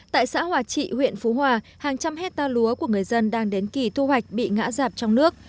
tại xã hòa trị huyện phú hòa hàng trăm hecta lúa của người dân đang đến kỳ thu hoạch bị ngã giạp trong nước